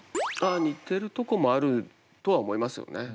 ああ似てるとこもあるとは思いますよね。